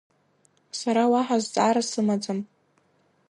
Сара уаҳа зҵаара сымаӡам…